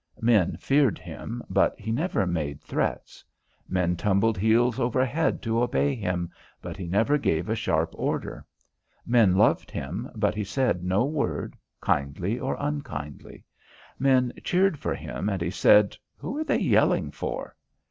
Men feared him, but he never made threats; men tumbled heels over head to obey him, but he never gave a sharp order; men loved him, but he said no word, kindly or unkindly; men cheered for him and he said: "Who are they yelling for?"